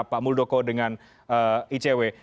pak muldoko dengan icw